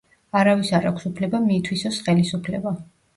არავის არ აქვს უფლება მიითვისოს ხელისუფლება.